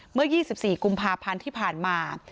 เมื่อ๒๔กุมภาพันธ์ที่ผ่านมา